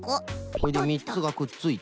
それでみっつがくっついた。